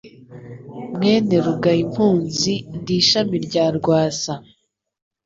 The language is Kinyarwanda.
Mwene Rugayimpunzi ndi ishami rya rwasa